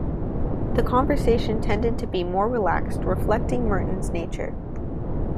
The conversation tended to be more relaxed, reflecting Merton's nature.